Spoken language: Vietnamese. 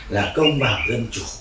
là công bằng dân chủ